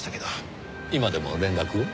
今でも連絡を？